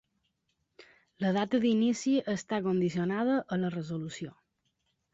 La data d'inici està condicionada a la resolució.